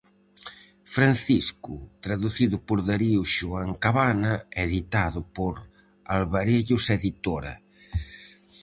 Francisco, traducido por Darío Xohán Cabana, editado por Alvarellos Editora.